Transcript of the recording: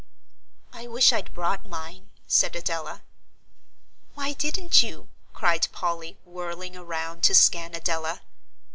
"I wish I'd brought mine," said Adela. "Why didn't you?" cried Polly, whirling around to scan Adela.